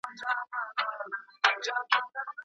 ليکوال بايد د ټولني د هيلو او ارمانونو رښتينی ترجمان واوسي.